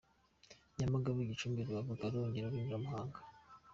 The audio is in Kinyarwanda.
Nyamagabe, Gicumbi, Rubavu, Karongi, Rulindo na Muhanga.